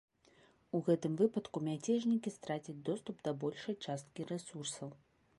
У гэтым выпадку мяцежнікі страцяць доступ да большай часткі рэсурсаў.